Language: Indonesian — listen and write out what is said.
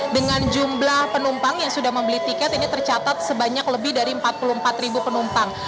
dengan jumlah penumpang yang sudah membeli tiket ini tercatat sebanyak lebih dari empat puluh empat ribu penumpang